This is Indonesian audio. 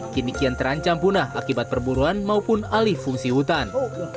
kini kian terancam punah akibat perburuan maupun alih fungsi hutan